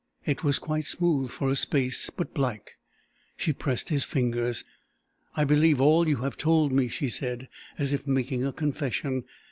It was quite smooth for a space, but black. She pressed his fingers. "I believe all you have told me," she said, as if making a confession.